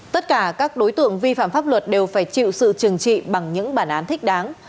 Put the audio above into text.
tất cả các đối tượng vi phạm pháp luật đều phải chịu sự trừng trị bằng những bản án thích đáng